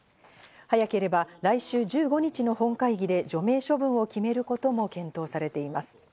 早ければ来週１５日の本会議で除名処分を決めることも検討されています。